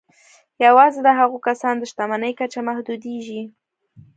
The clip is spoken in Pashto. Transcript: یوازې د هغو کسانو د شتمني کچه محدودېږي